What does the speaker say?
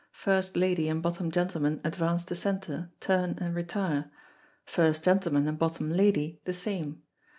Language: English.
First lady and bottom gentleman advance to centre, turn, and retire; first gentleman and bottom lady the same.